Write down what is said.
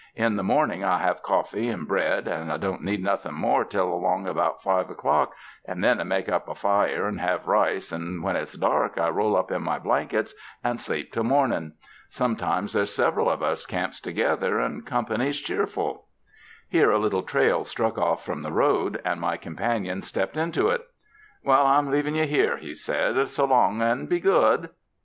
In the morning I have coffee and bread, and I don't need nothin' more till along al)out five o'clock and then I make up a fire and have rice, and when it's dark I roll up in my blankets and sleep till morning. Sometimes there's several of us camps together, and company's cheer ful." Here a little trail struck off from the road, and my companion stepped into it. "Well, I'm leavin' you here," he said, "solong and be good."